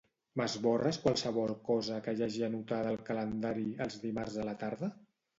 M'esborres qualsevol cosa que hi hagi anotada al calendari els dimarts a la tarda?